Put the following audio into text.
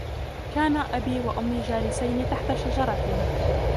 كان أبي وأمي جالسين تحت شجرةٍ.